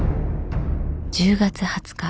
１０月２０日。